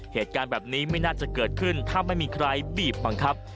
เหตุการณ์แบบนี้ไม่น่าจะเกิดขึ้นถ้าไม่มีใครบีบบังคับ